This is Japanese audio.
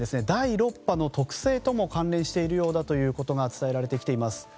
第６波の特性とも関連しているようだということが伝えられてきています。